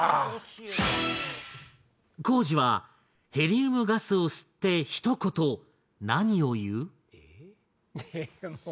光司はヘリウムガスを吸ってひと言何を言う？